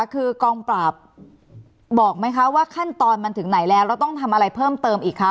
คือกองปราบบอกไหมคะว่าขั้นตอนมันถึงไหนแล้วแล้วต้องทำอะไรเพิ่มเติมอีกคะ